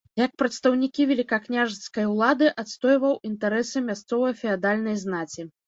Як прадстаўнікі велікакняжацкай улады адстойваў інтарэсы мясцовай феадальнай знаці.